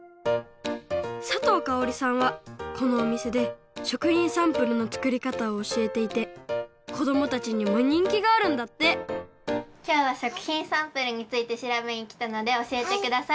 佐藤香央里さんはこのおみせで食品サンプルのつくりかたをおしえていてこどもたちにもにんきがあるんだってきょうは食品サンプルについてしらべにきたのでおしえてください。